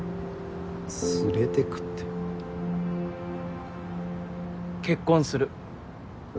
連れてくって。結婚する。